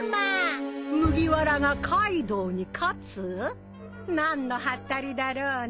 麦わらがカイドウに勝つ？何のはったりだろうね。